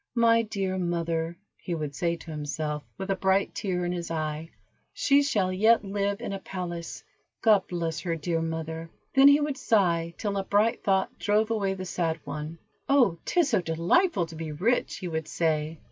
"My dear mother," he would say to himself, with a bright tear in his eye, "she shall yet live in a palace. God bless her, dear mother." Then he would sigh till a bright thought drove away the sad one. "Oh, 'tis so delightful to be rich," he would say.